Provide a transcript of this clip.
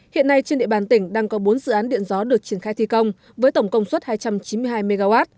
hiện nay trên địa bàn tỉnh đang có bốn dự án điện gió được triển khai thi công với tổng công suất hai trăm chín mươi hai mw